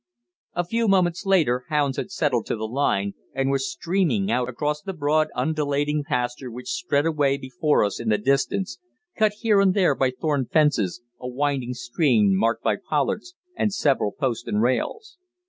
A few moments later hounds had settled to the line, and were streaming out across the broad, undulating pasture which spread away before us in the distance, cut here and there by thorn fences, a winding stream marked by pollards, and several post and rails.